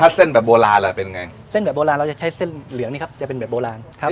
ถ้าเส้นแบบโบราณล่ะเป็นไงเส้นแบบโบราณเราจะใช้เส้นเหลืองนี่ครับจะเป็นแบบโบราณครับ